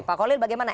pak kolil bagaimana